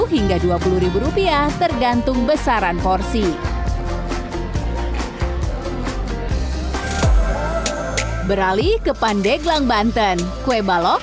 satu hingga dua puluh rupiah tergantung besaran porsi beralih ke pandeglang banten kue balok